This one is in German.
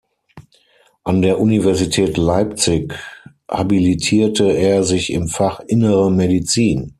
An der Universität Leipzig habilitierte er sich im Fach innere Medizin.